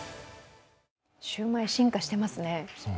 シュウマイ、進化していますね。